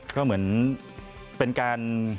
ก็เหมือนเป็นการ